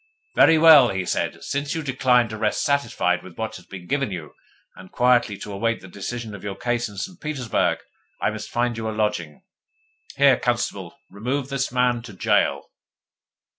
'Very well,' he said. 'Since you decline to rest satisfied with what has been given you, and quietly to await the decision of your case in St. Petersburg, I must find you a lodging. Here, constable, remove the man to gaol.